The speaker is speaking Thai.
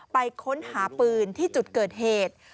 ไปค้นหาปืนที่จุดเกิดเหตุ